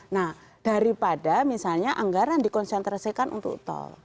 nah daripada misalnya anggaran dikonsentrasikan untuk tol